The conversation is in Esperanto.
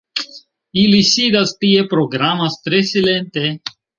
Ili sidas tie, programas tre silente